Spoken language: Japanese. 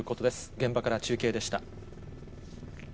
現場から中継でした。